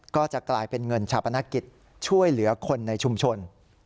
ก็จะกลายเป็นเงินชาปนกิจช่วยเหลือคนในชุมชน